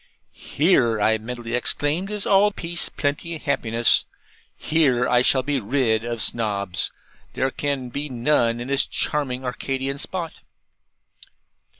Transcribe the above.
'Here,' I mentally exclaimed, 'is all peace, plenty, happiness. Here, I shall be rid of Snobs. There can be none in this charming Arcadian spot.'